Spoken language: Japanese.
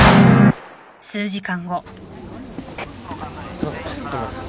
すいません通ります。